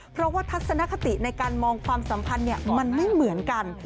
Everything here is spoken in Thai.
เพราะว่าทัศนคติในการมองความสัมพันธ์มันไม่เหมือนกัน